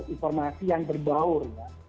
informasi yang berbaur